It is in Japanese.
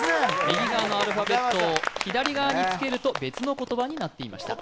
右側のアルファベットを左側につけると別の言葉になっていました。